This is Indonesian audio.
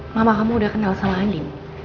mama kamu udah kenal sama anjing